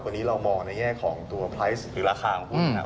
วันนี้เรามองในแยะของลักษณ์หรือราคาของคุณครับ